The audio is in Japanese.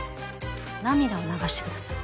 涙を流してください